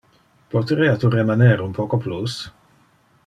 Poterea tu remaner un poco plus?